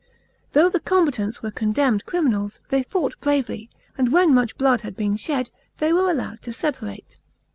Though the combatants were condemned crimiriHls, they fought bravely, and when much blood had been shed, they were allowed to separate.